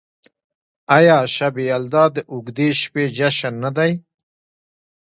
آیا شب یلدا د اوږدې شپې جشن نه دی؟